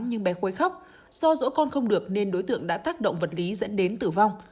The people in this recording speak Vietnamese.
nhưng bé quấy khóc do rỗ con không được nên đối tượng đã tác động vật lý dẫn đến tử vong